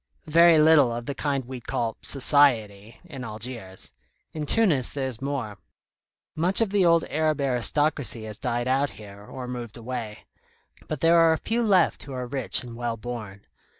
"Very little of the kind we'd call 'society' in Algiers. In Tunis there's more. Much of the old Arab aristocracy has died out here, or moved away; but there are a few left who are rich and well born.